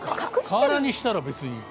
瓦にしたら別に。